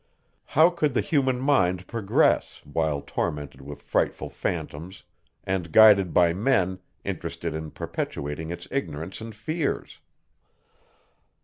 How could the human mind progress, while tormented with frightful phantoms, and guided by men, interested in perpetuating its ignorance and fears?